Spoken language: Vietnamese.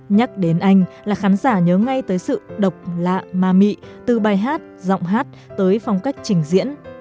nhắc đến anh là khán giả nhớ ngay tới sự độc lạ ma mị từ bài hát giọng hát tới phong cách trình diễn